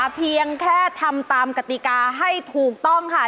เพียงแค่ทำตามกติกาให้ถูกต้องค่ะ